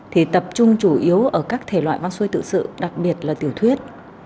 thì tập trung chủ yếu ở các thể loại văn xuôi tự sự đặc biệt là tiểu thuyết